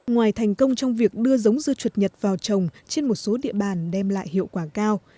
ngoài thành công trong việc đưa giống dưa chuột nhật vào trồng trên một số địa bàn đem lại hiệu quả cao